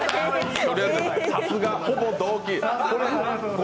さすが、ほぼ同期。